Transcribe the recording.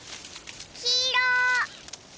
きいろ。